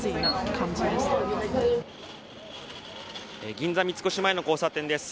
銀座・三越前の交差点です。